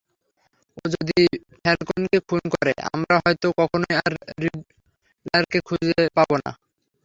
ও যদি ফ্যালকোনকে খুন করে, আমরা হয়তো কখনোই আর রিডলারকে খুঁজে পাবো না।